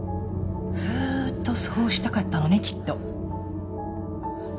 ずっとそうしたかったのねきっと。